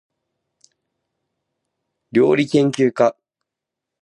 りょうりけんきゅうか